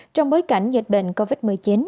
trong bối cảnh dịch bệnh covid một mươi chín